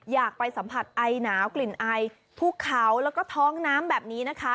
อยากไปสัมผัสไอหนาวกลิ่นไอภูเขาแล้วก็ท้องน้ำแบบนี้นะคะ